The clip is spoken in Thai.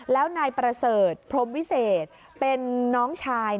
แล้วนายประเสริฐพรมวิเศษเป็นน้องชาย